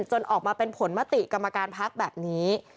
จนออกมาเป็นผลมติกรรมการพักแบบนี้